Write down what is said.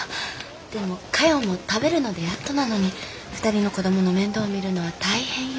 でもかよも食べるのでやっとなのに２人の子どもの面倒を見るのは大変よ。